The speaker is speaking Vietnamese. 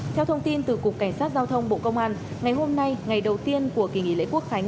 theo thông tin từ cục cảnh sát giao thông bộ công an ngày hôm nay ngày đầu tiên của kỳ nghỉ lễ quốc khánh